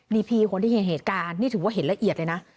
นี่พี่คนที่เห็นเหตุการณ์นี่ถือว่าเห็นละเอียดเลยนะ